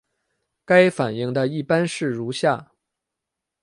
该反应的一般式如下。